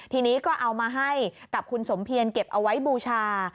ทีนี้ก็เอามาให้กับคุณสมเพียรเก็บเอาไว้บูชา